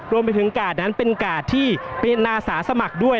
รวมไปถึงกาดนั้นเป็นกาดที่เป็นอาสาสมัครด้วย